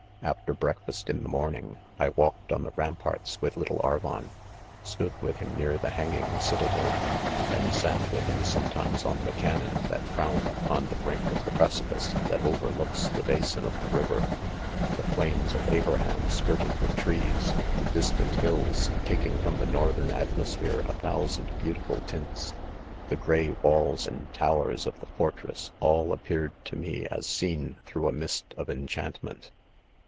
After breakfast in the morning, I walked on the, ramparts. with 'little Arvon ; stood with tirn ,n$ar the hanging citadel, and sat with him sometimes pn the cannon that frown upon the brink of the (precipice, that overlooks the ba ■spnpf the river. The plains of, Abraham skir ted with trees, the distant hills, taking from the northern, atmqsphere a thousand beautiful ■|iats l ^t ( he','^r^.y . wafis^and towers of the fortress, : a|l :; .appeared tq .me as seen through a mist pf THE CONFESSIONS. 87"' enchantment.